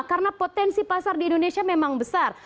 karena potensi pasar di indonesia memang besar